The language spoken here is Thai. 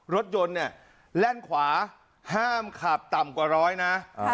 รถยนต์เนี่ยแล่นขวาห้ามขับต่ำกว่าร้อยนะ